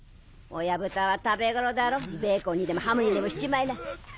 親豚は食べ頃だろベーコンにでもハムにでもしちまいな。